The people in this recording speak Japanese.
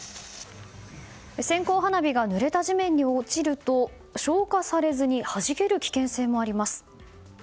線香花火がぬれた地面に落ちると消火されずにはじける危険性もあります。